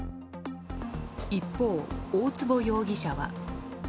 一方、大坪容疑者は。